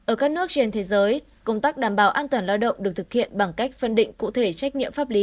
ở các nước trên thế giới công tác đảm bảo an toàn lao động được thực hiện bằng cách phân định cụ thể trách nhiệm pháp lý